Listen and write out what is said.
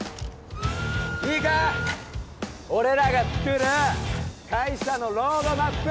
いいか俺らがつくる会社のロードマップ